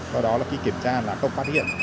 do đó là khi kiểm tra là không phát hiện